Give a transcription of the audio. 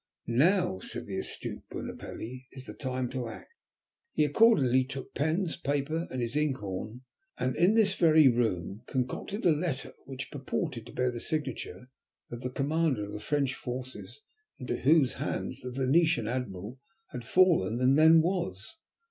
'Now,' said the astute Bunopelli, 'is the time to act.' He accordingly took pens, paper, and his ink horn, and in this very room concocted a letter which purported to bear the signature of the commander of the French forces, into whose hands the Venetian admiral had fallen and then was.